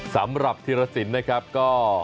สำหรับธีรสินนะครับก็